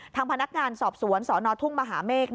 ทางพนักงานสอบสวนสนทุ่งมหาเมฆ